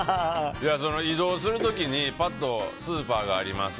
移動する時にパッと、スーパーがあります